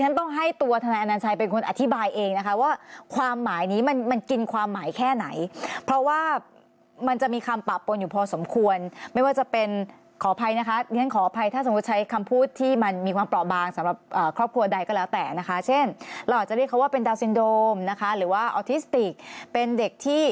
ต้องให้ตัวทนายอนัญชัยเป็นคนอธิบายเองนะคะว่าความหมายนี้มันมันกินความหมายแค่ไหนเพราะว่ามันจะมีคำปะปนอยู่พอสมควรไม่ว่าจะเป็นขออภัยนะคะเรียนขออภัยถ้าสมมุติใช้คำพูดที่มันมีความเปราะบางสำหรับครอบครัวใดก็แล้วแต่นะคะเช่นเราอาจจะเรียกเขาว่าเป็นดาวเซ็นโดมนะคะหรือว่าออทิสติกเป็นเด็กที่